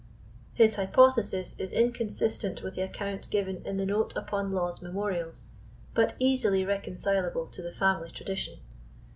His hypothesis is inconsistent with the account given in the note upon Law's Memorials, but easily reconcilable to the family tradition.